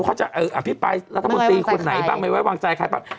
เขาจะอภิปรายรัฐมนตรีคนไหนบ้างไม่ไว้วางใจใครบ้าง